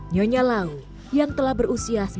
nyonya lau yang telah berusia sembilan puluh enam tahun